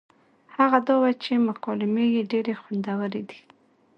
هغه دا وه چې مکالمې يې ډېرې خوندورې دي